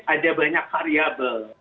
ada banyak variable